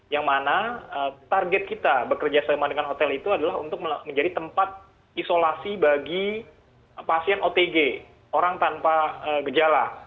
yang mana target kita bekerja sama dengan hotel itu adalah untuk menjadi tempat isolasi bagi pasien otg orang tanpa gejala